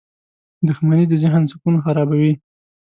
• دښمني د ذهن سکون خرابوي.